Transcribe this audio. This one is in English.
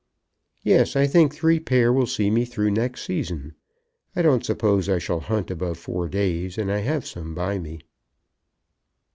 "Yes; I think three pair will see me through next season. I don't suppose I shall hunt above four days, and I have some by me."